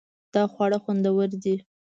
دا خواړه خوندور دي